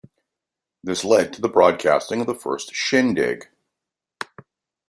This led to the broadcasting of the first Shindig!